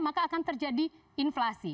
maka akan terjadi inflasi